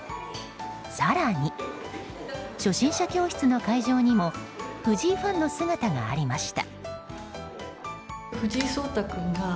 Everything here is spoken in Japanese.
更に初心者教室の会場にも藤井ファンの姿がありました。